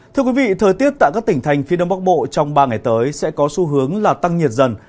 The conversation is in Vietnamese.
thưa quý vị thời tiết tại các tỉnh thành phía đông bắc bộ trong ba ngày tới sẽ có xu hướng là tăng nhiệt dần